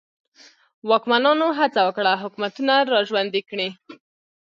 واکمنانو هڅه وکړه حکومتونه را ژوندي کړي.